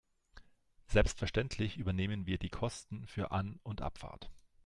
Selbstverständlich übernehmen wir die Kosten für An- und Abfahrt.